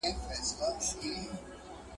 په سلګونو یې لرلې له کوترو ..